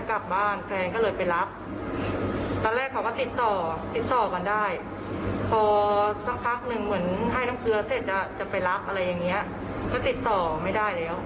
จะไปรับอะไรอย่างนี้ก็ติดต่อไม่ได้แล้ว